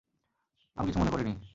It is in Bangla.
আমি কিছু মনে করিনি।